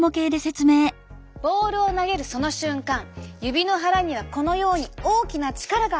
ボールを投げるその瞬間指の腹にはこのように大きな力がかかります。